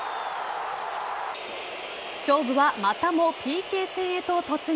勝負は、またもＰＫ戦へと突入。